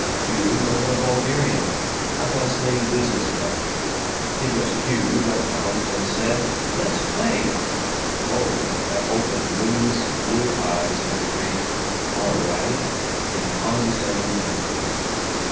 Hugh was a vulgarian; a bustling business man. It was Hugh that bounced and said "Let's play"; Olaf that opened luminous blue eyes and agreed "All right," in condescending gentleness.